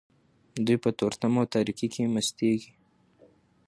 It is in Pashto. دوی په تورتم او تاریکۍ کې مستیږي.